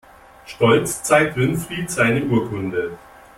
Stolz zeigt Winfried seine Urkunde.